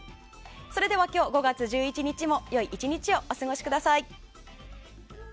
それでは今日５月１１日も良い１日をお過ごしください。